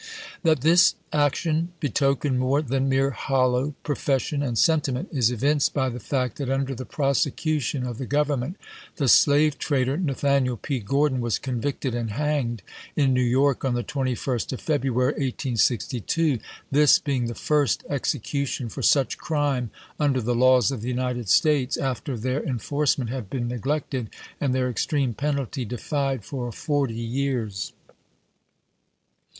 That this action betokened more than mere hollow profession and sentiment is evinced by the fact that under the prosecution of the Grovernment, the slave trader Nathaniel P. Grordon was convicted and hanged in New York on the 21st of February, isea. 1862, this being the first execution for such crime under the laws of the United States, after their enforcement had been neglected and their extreme penalty defied for forty years.